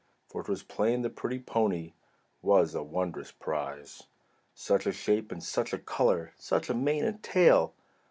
For 'twas plain the pretty pony Was a wondrous prize. Such a shape! and such a color! Such a mane and tail!